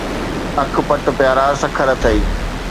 اک پَٽ، پيارا سکر اٿئي.